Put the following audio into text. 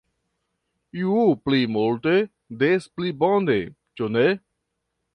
Ju pli multe, des pli bone, ĉu ne?